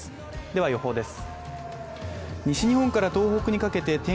では予報です。